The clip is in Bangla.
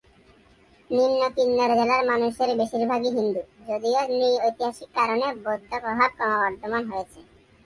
নিম্ন কিন্নর জেলার মানুষের বেশিরভাগই হিন্দু, যদিও নৃ-ঐতিহাসিক কারণে বৌদ্ধ প্রভাব ক্রমবর্ধমান হয়েছে।